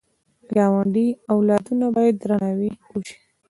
د ګاونډي اولادونه باید درناوی وشي